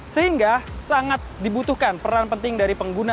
sehingga sangat dibutuhkan peran penting dari pengguna